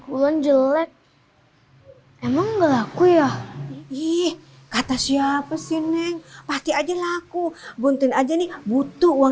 hbu hoe gelap memang enggak laku ya ih kata siapa sih neng pake aja laku jod unajeny butuh uang